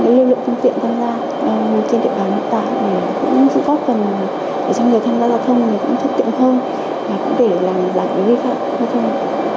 và cũng để làm giảm những vi phạm giao thông